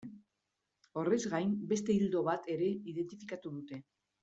Horrez gain, beste ildo bat ere identifikatu dute.